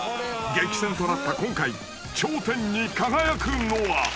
［激戦となった今回頂点に輝くのは⁉］